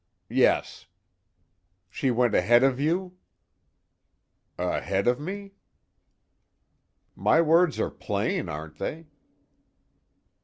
"Yes." "She went ahead of you?" "Ahead of me?" "My words are plain, aren't they?"